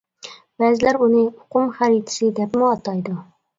بەزىلەر ئۇنى «ئۇقۇم خەرىتىسى» دەپمۇ ئاتايدۇ.